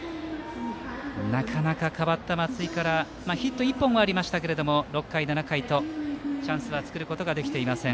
なかなか代わった松井からヒット１本はありましたけども６回、７回とチャンスは作ることはできていません。